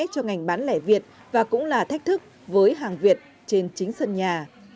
cho ngành bán lẻ việt và cũng là thách thức với hàng việt trên chính sân nhà